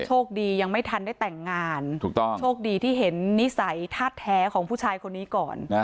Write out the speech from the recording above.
โชคดียังไม่ทันได้แต่งงานถูกต้องโชคดีที่เห็นนิสัยธาตุแท้ของผู้ชายคนนี้ก่อน